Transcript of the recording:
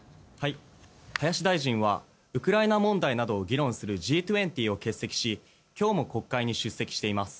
林大臣はウクライナ問題などを議論するＧ２０を欠席し今日も国会に出席しています。